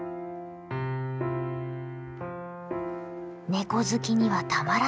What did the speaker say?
ネコ好きにはたまらない